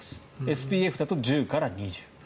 ＳＰＦだと１０から２０。